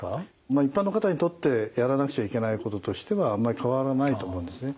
一般の方にとってやらなくちゃいけないこととしてはあんまり変わらないと思うんですね。